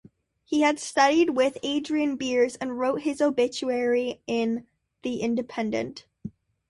He had studied with Adrian Beers and wrote his obituary in "The Independent".